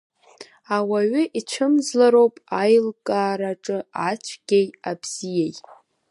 Ауаҩы ицәымӡлароуп аилкаараҿы ацәгьеи абзиеи.